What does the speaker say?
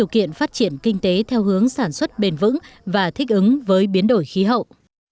kiện phát triển kinh tế theo hướng sản xuất bền vững và thích ứng với biến đổi khí hậu